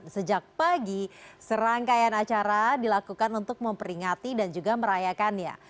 sejak pagi serangkaian acara dilakukan untuk memperingati dan juga merayakannya